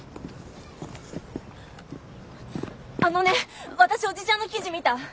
あのね私おじちゃんの記事見た。